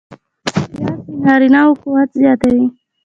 پیاز د نارینه و قوت زیاتوي